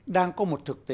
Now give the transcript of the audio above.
đang có một thực tế